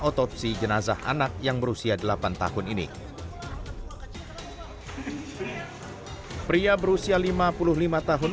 otopsi jenazah anak yang berusia delapan tahun ini pria berusia lima puluh lima tahun